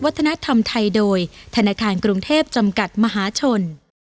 วัฒนธรรมไทยโดยธนาคารกรุงเทพจำกัดมหาชน